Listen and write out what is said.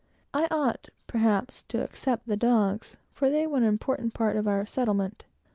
I ought, perhaps, to except the dogs, for they were an important part of our settlement.